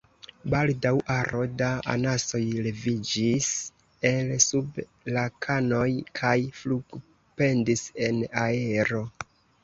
Baldaŭ aro da anasoj leviĝis el sub la kanoj kaj flugpendis en aero.